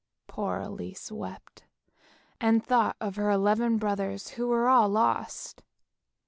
Poor Elise wept, and thought of her eleven brothers who were all lost.